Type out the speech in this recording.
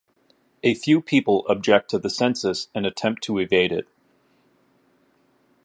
A few people object to the census and attempt to evade it.